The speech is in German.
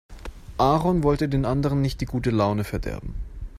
Aaron wollte den anderen nicht die gute Laune verderben.